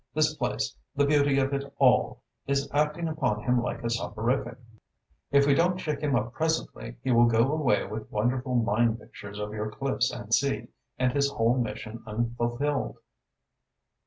This place, the beauty of it all, is acting upon him like a soporific. If we don't shake him up presently, he will go away with wonderful mind pictures of your cliffs and sea, and his whole mission unfulfilled."